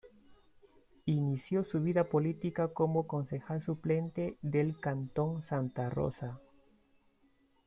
Inició su vida política como concejal suplente del cantón Santa Rosa.